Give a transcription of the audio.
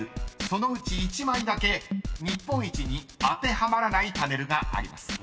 そのうち１枚だけ日本一に当てはまらないパネルがあります。